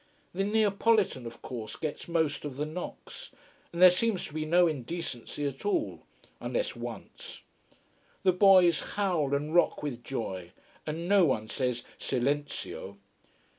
The Neapolitan of course gets most of the knocks. And there seems to be no indecency at all unless once. The boys howl and rock with joy, and no one says Silenzio!